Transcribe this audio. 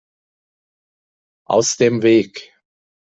Aus dem Weg!